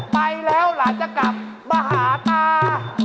ไปแล้วหลานจะกลับมาหาตา